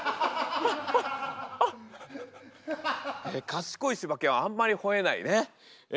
賢いしば犬はあんまりほえないね。